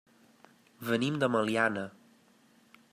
Venim de Meliana.